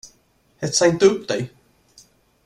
Hetsa inte upp dig.